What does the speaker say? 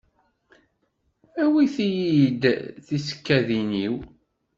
Awit-yi-d tisekkadin-iw.